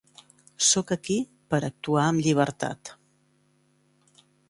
Sóc aquí per a actuar amb llibertat.